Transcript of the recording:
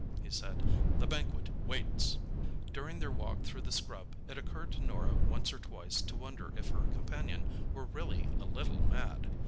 he said. "The banquet waits!" During their walk through the scrub it occurred to Norah once or twice to wonder if her companion were really a little mad.